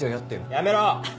やめろ！